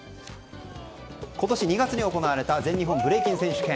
今年２月に行われた全日本ブレイキン選手権。